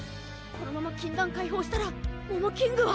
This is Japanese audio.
このまま禁断解放したらモモキングは。